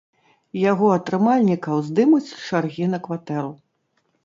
Яго атрымальнікаў здымуць з чаргі на кватэру.